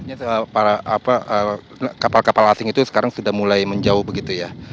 artinya para kapal kapal asing itu sekarang sudah mulai menjauh begitu ya